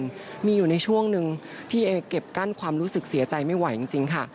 คุณผู้ชมมีอยู่ในช่วงหนึ่งพี่เอเก็บกั้นความรู้สึกเสียใจไม่ไหวจริงค่ะ